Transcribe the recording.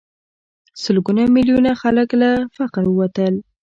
سلګونه میلیونه خلک له فقر ووتل.